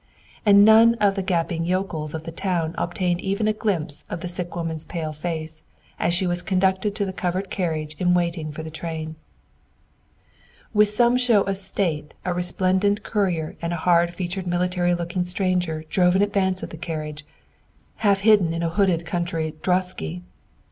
And none of the gaping yokels of the town obtained even a glimpse of the sick woman's pale face, as she was conducted to the covered carriage in waiting for the train. With some show of state, a resplendent courier and a hard featured military looking stranger drove in advance of the carriage, half hidden in a hooded country droschky.